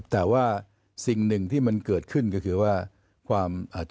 แต่ว่าสิ่งหนึ่งที่มันเกิดขึ้นก็คือว่าความอ่า